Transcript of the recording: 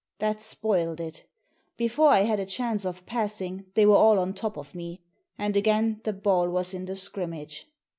That spoilt it! Before I had a chance of passing they were all on top of me. And again the ball was in the scrimmage.